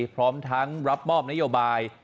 พร้อมทั้งรับมอบนโยบาย